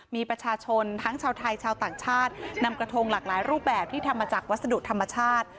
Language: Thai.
มีประชาชนทั้งชาวไทยชาวต่างชาตินำกระทงหลากหลายรูปแบบที่ทำมาจากวัสดุธรรมชาติ